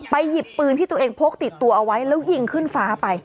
หยิบปืนที่ตัวเองพกติดตัวเอาไว้แล้วยิงขึ้นฟ้าไป